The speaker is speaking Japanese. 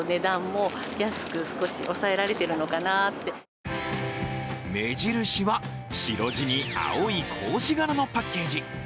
更に目印は白地に青い格子柄のパッケージ。